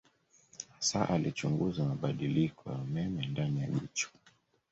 Hasa alichunguza mabadiliko ya umeme ndani ya jicho.